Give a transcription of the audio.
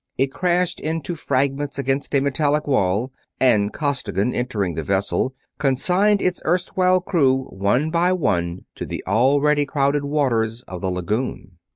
It crashed into fragments against a metallic wall and Costigan, entering the vessel, consigned its erstwhile crew one by one to the already crowded waters of the lagoon.